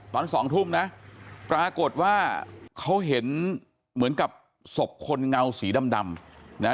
ตอนสองทุ่มนะปรากฏว่าเขาเห็นเหมือนกับศพคนเงาสีดำนะ